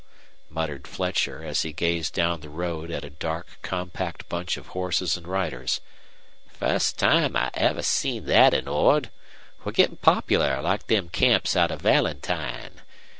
muttered Fletcher, as he gazed down the road at a dark, compact bunch of horses and riders. "Fust time I ever seen thet in Ord! We're gettin' popular like them camps out of Valentine.